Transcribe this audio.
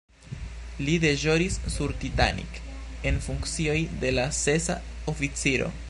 Li deĵoris sur "Titanic" en funkcio de la sesa oficiro.